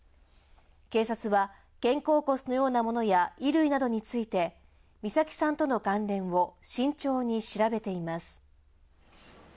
警察は肩甲骨のようなものや衣類などについて美咲さんとの関連を慎重に調べています。